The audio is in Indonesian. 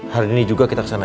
hari ini juga kita kesana